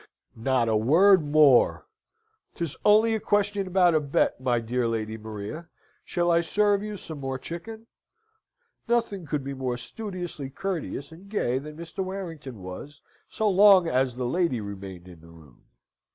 "Not a word more. 'Tis only a question about a bet, my dear Lady Maria. Shall I serve you some more chicken?" Nothing could be more studiously courteous and gay than Mr. Warrington was, so long as the lady remained in the room.